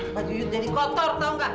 baju jadi kotor tau gak